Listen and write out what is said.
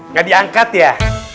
nggak diangkat ya